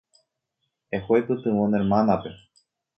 Eho eipytyvõ ne hermanape.